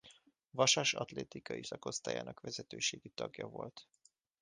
Vasas atlétikai szakosztályának vezetőségi tagja volt.